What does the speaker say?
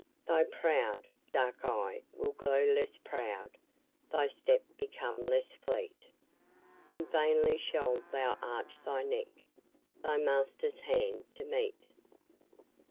Thy proud, dark eye will grow less proud, thy step become less fleet, And vainly shalt thou arch thy neck, thy master's hand to meet.